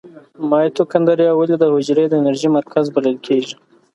مایتوکاندري ولې د حجرې د انرژۍ مرکز بلل کیږي؟